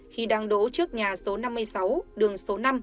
khi đang đổ trước nhà số năm mươi sáu đường số năm